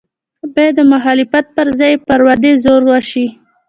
باید د مخالفت پر ځای یې پر ودې زور وشي.